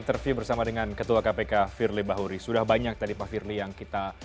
terancam tidak akan berlanjut pak